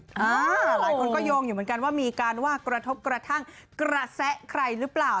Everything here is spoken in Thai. หลายคนก็โยงอยู่เหมือนกันว่ามีการว่ากระทบกระทั่งกระแสะใครหรือเปล่า